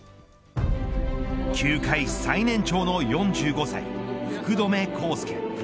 球界最年長の４５歳福留孝介。